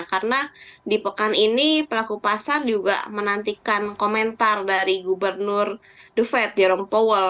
karena di pekan ini pelaku pasar juga menantikan komentar dari gubernur duvet jerome powell